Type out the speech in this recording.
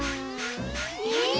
えっ！？